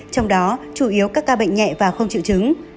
trong đó chủ yếu các ca bệnh nhẹ và không chịu chứng